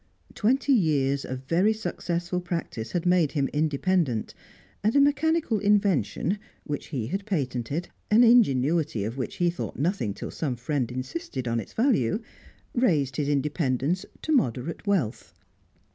Twenty years of very successful practice had made him independent, and a mechanical invention which he had patented an ingenuity of which he thought nothing till some friend insisted on its value raised his independence to moderate wealth.